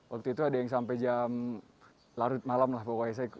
waktu itu ada yang sampai jam larut malam lah pokoknya saya